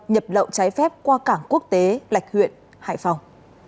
nhập lậu trái phép qua cảng quốc tế lạch huyện hải phòng